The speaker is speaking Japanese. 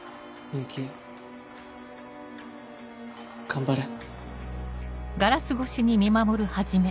頑張れ。